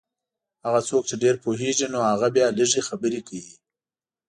هغه څوک چې ډېر پوهېږي نو هغه بیا لږې خبرې کوي.